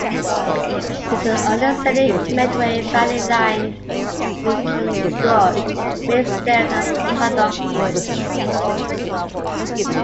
This is on the scenic Medway Valley Line linking Strood, Maidstone and Paddock Wood.